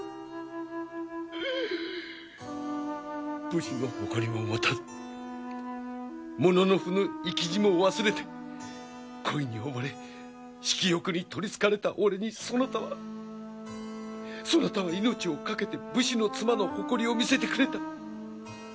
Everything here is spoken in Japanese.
武士の誇りも持たずもののふの意気地も忘れて恋に溺れ色欲に取りつかれた俺にそなたはそなたは命を懸けて武士の妻の誇りを見せてくれた。